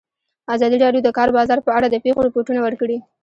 ازادي راډیو د د کار بازار په اړه د پېښو رپوټونه ورکړي.